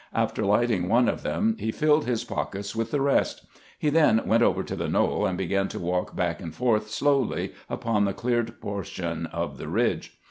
After lighting one of them, he filled his pockets with the rest. He then went over to the knoll, and began to walk back and forth slowly upon the cleared portion of the ridge.